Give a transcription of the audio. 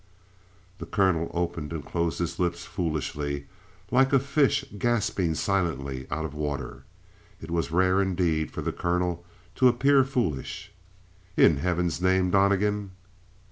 The colonel opened and closed his lips foolishly like a fish gasping silently out of water. It was rare indeed for the colonel to appear foolish. "In heaven's name, Donnegan!"